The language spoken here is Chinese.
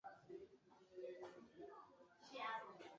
境内有新石器晚期和良渚文化遗址。